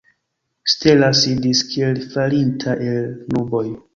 Stella sidis, kiel falinta el nuboj.